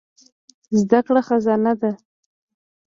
زده کړه خزانه ده.